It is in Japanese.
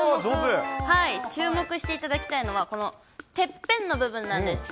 注目していただきたいのは、このてっぺんの部分なんです。